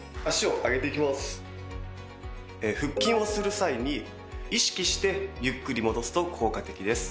腹筋をする際に意識してゆっくり戻すと効果的です。